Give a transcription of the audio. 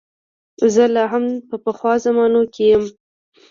زه لا هم په پخوا زمانو کې یم.